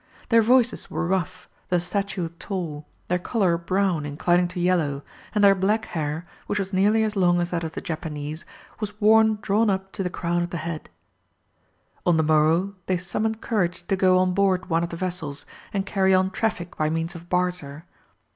Their voices were rough, their stature tall, their colour brown inclining to yellow, and their black hair, which was nearly as long as that of the Japanese, was worn drawn up to the crown of the head. On the morrow they summoned courage to go on board one of the vessels and carry on traffic by means of barter.